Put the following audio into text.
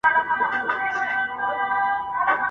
هغوی ته ورځ په ورځ دا څرګندېږي